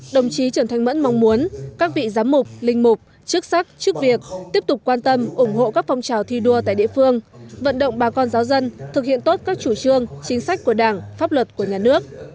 đồng chí trần thanh mẫn mong muốn các vị giám mục linh mục chức sắc chức việc tiếp tục quan tâm ủng hộ các phong trào thi đua tại địa phương vận động bà con giáo dân thực hiện tốt các chủ trương chính sách của đảng pháp luật của nhà nước